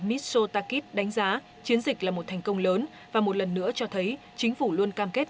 mitso takip đánh giá chiến dịch là một thành công lớn và một lần nữa cho thấy chính phủ luôn cam kết